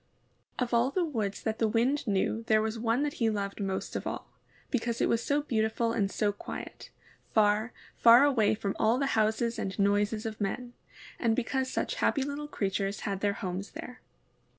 Of all the woods that the Wind knew there was one that he loved most of all, because it was so beautiful and so quiet, far, far away from all houses and noises of men, and because such happy little creatures had their homes there.